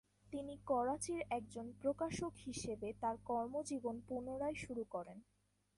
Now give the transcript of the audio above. তিনি করাচির একজন প্রকাশক হিসেবে তার কর্মজীবন পুনরায় শুরু করেন।